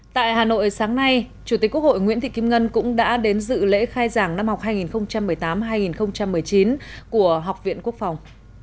tại hà nội sáng nay chủ tịch quốc hội nguyễn thị kim ngân cũng đã đến dự lễ khai giảng năm học hai nghìn một mươi tám hai nghìn một mươi chín của học viện quốc phòng